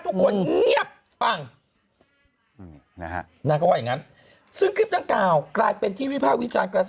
ทุกคนเงียบปังนางว่าอย่างนั้นซึ่งคลิป๙กลายเป็นที่วิทยาลัย